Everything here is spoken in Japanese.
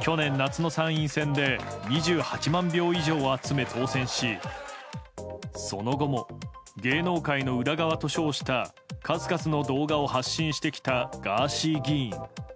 去年夏の参院選で２８万票以上を集め当選しその後も芸能界の裏側と称した数々の動画を発信してきたガーシー議員。